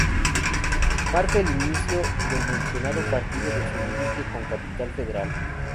Marca el inicio del mencionado partido en su límite con Capital Federal.